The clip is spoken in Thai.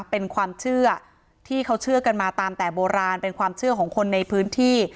เป็นความเชื่อที่เขาเชื่อกันมาตามแต่โบราณเป็นความเชื่อของคนในพื้นที่